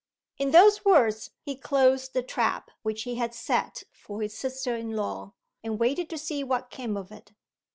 In those words he closed the trap which he had set for his sister in law, and waited to see what came of it.